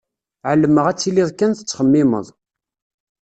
Ԑelmeɣ ad tiliḍ kan tettxemmimeḍ.